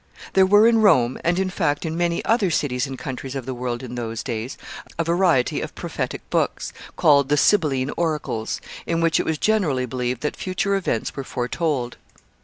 ] There were in Rome, and, in fact, in many other cities and countries of the world in those days, a variety of prophetic books, called the Sibylline Oracles, in which it was generally believed that future events were foretold.